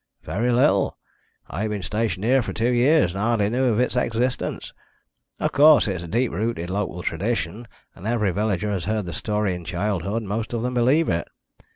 "Very little. I have been stationed here for two years, and hardly knew of its existence. Of course, it's a deep rooted local tradition, and every villager has heard the story in childhood, and most of them believe it.